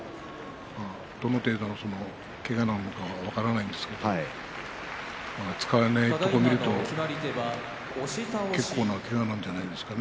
どの程度の、けがなのか分からないですけれども使わないところを見ると結構なけがなんじゃないですかね。